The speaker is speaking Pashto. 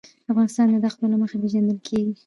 افغانستان د دښتو له مخې پېژندل کېږي.